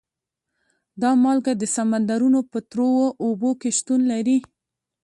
دا مالګه د سمندرونو په تروو اوبو کې شتون لري.